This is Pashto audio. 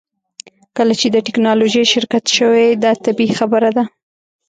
کله چې ته د ټیکنالوژۍ شرکت شوې دا طبیعي خبره ده